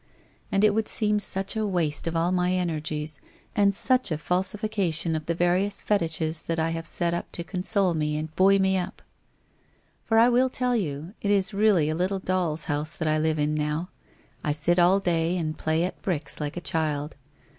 And it would seem such a waste of all my energies, and such a falsification of the various fetiches that I have set up to console me and buoy me up. For I will tell you, it is really a little doll's house that I live in now. I sit all day and play at bricks like a child.